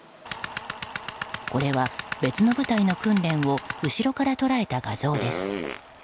これは別の部隊の訓練を後ろから捉えた画像です。